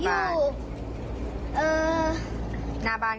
ราคา๑๐บาท